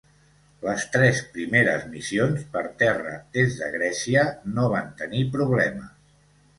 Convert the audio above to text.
Les tres primeres missions, per terra des de Grècia, no van tenir problemes.